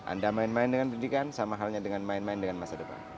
anda main main dengan pendidikan sama halnya dengan main main dengan masa depan